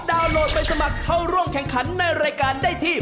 โหลดไปสมัครเข้าร่วมแข่งขันในรายการได้ที่